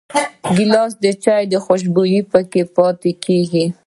ګیلاس د چايو خوشبويي پکې پاتې کېږي.